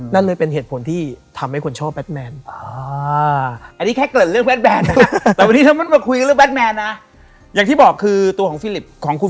นั่นเลยเป็นเหตุผลที่ทำให้คนชอบแบทแมน